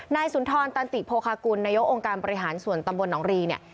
สุนทรตันติโภคากุลนายกองค์การบริหารส่วนตำบลหนองรีเนี่ย